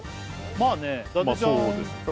まあね